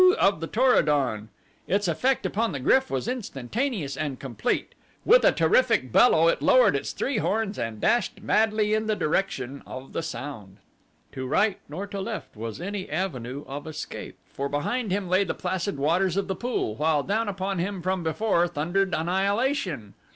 of the Tor o don. Its effect upon the GRYF was instantaneous and complete with a terrific bellow it lowered its three horns and dashed madly in the direction of the sound. To right nor to left was any avenue of escape, for behind him lay the placid waters of the pool, while down upon him from before thundered annihilation.